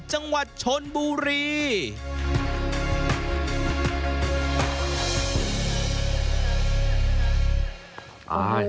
จังหวัดชนบุรี